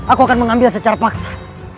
aku akan mengambil secara paksa